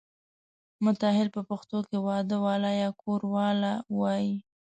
متاهل په پښتو کې واده والا یا کوروالا وایي.